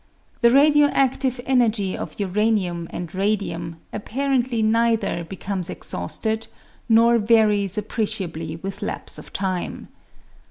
The radio adlive energy of uranium and radium apparently neither becomes exhausted nor varies appreciably with lapse of time.